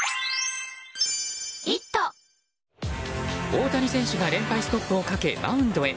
大谷選手が連敗ストップをかけマウンドへ。